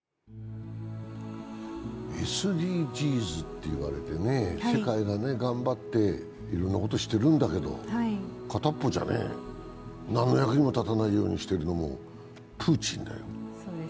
ＳＤＧｓって言われて、世界が頑張っていろんなことしてるんだけど、片一方じゃ、何の役に立たないようにしてるのもプーチンだよ。